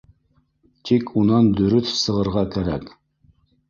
Тик унан дөрөҫ сығырға кәрәк